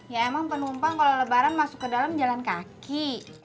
ya emang penumpang kalau lebaran masuk ke dalam jalan kaki